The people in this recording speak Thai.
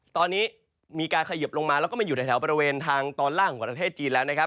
ตอนนี้มีการเขยิบลงมาแล้วก็มาอยู่ในแถวบริเวณทางตอนล่างของประเทศจีนแล้วนะครับ